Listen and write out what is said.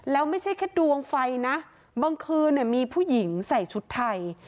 แล้วไม่ใช่แค่ดวงไฟนะบางคืนมีผู้หญิงใส่ชุดไทย